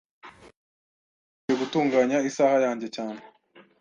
Namusabye gutunganya isaha yanjye cyane.